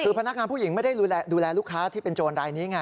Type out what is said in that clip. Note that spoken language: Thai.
คือพนักงานผู้หญิงไม่ได้ดูแลลูกค้าที่เป็นโจรรายนี้ไง